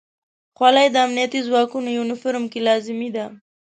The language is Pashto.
خولۍ د امنیتي ځواکونو یونیفورم کې لازمي ده.